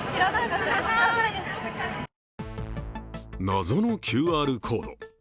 謎のＱＲコード。